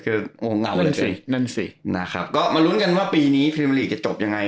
คืองงเงากันสินั่นสินะครับก็มาลุ้นกันว่าปีนี้พรีมลีกจะจบยังไง